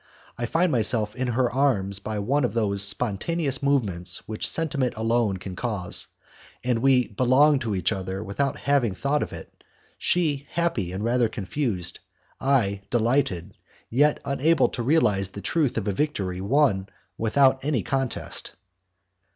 I find myself in her arms by one of those spontaneous movements which sentiment alone can cause, and we belong to each other without having thought of it, she happy and rather confused, I delighted, yet unable to realize the truth of a victory won without any contest.